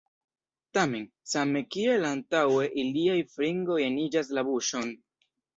Tamen, same kiel antaŭe, iliaj fingroj eniĝas la buŝon.